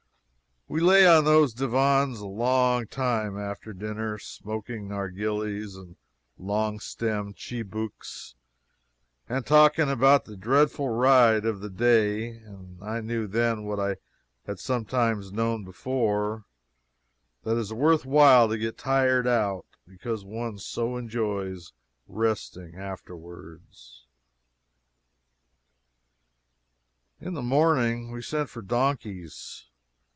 We lay on those divans a long time, after supper, smoking narghilies and long stemmed chibouks, and talking about the dreadful ride of the day, and I knew then what I had sometimes known before that it is worth while to get tired out, because one so enjoys resting afterward. In the morning we sent for donkeys.